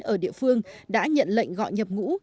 ở địa phương đã nhận lệnh gọi nhập ngũ